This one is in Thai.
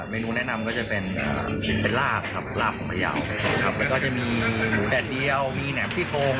เพราะว่าจะมีหมู่แดดเดียวมีแหน่มพี้โฟง